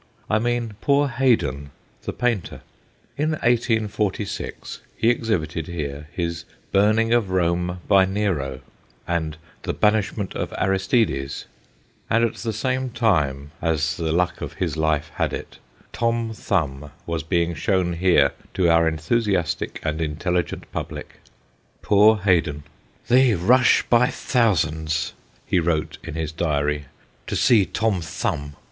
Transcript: I mean poor Haydon, the painter. In 1846 he exhibited here his * Burning of Rome by Nero ' and ' The Banishment of Aristides,' and at the same time, as the luck of his life had it, Tom Thumb was being shown here to our enthusiastic and intelligent public. Poor Haydon !' They rush by thousands,' he wrote in his diary, ' to see Tom Thumb.